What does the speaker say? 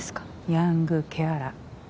ヤングケアラー。